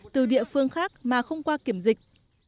từ địa phương khác mà không qua kiểm dịch